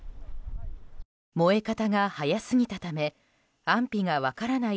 燃え方が早すぎたため安否が分からない